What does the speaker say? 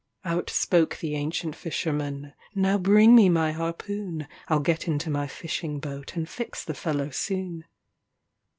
Out spoke the ancient fisherman, "Now bring me my harpoon! I'll get into my fishing boat, and fix the fellow soon."